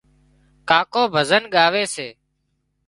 ڪاڪو ڀزن ڳاوي سي